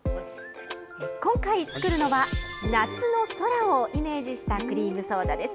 今回作るのは、夏の空をイメージしたクリームソーダです。